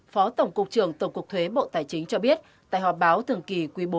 phó tổng cục trưởng tổng cục thuế bộ tài chính cho biết tại họp báo thường kỳ quý bốn